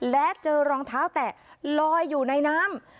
และเจอรองเท้าแตะลอยอยู่ในน้ำ